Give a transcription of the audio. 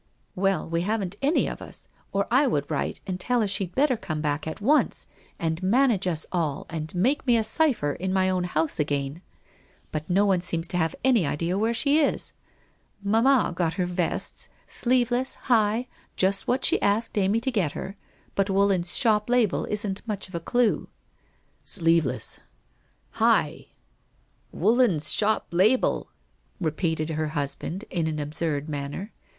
' Well, we haven't, any of us, or I would write and tell her she'd better come back at once and manage us all and make me a cipher in my own house again. But no one seems to have any idea where she is. Mamma got her vests — sleeveless, high — just what she asked Amy WHITE ROSE OF WEARY LEAF 385 to get her, but Woolland's shop label isn't much of a clue.' ' Sleeveless ... high ... Woolland's shop label !' repeated her husband, in an absurd manner.